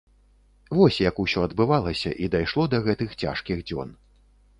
Вось як усё адбывалася і дайшло да гэтых цяжкіх дзён.